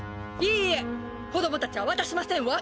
いいえ子どもたちはわたしませんわ！